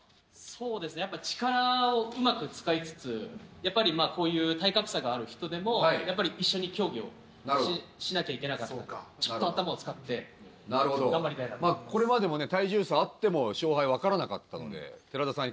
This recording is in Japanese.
そうですねやっぱ力をうまく使いつつやっぱりこういう体格差がある人でも一緒に競技をしなきゃいけなかったちょっと頭を使って頑張りたいなとこれまでもね体重差あっても勝敗分からなかったので寺田さん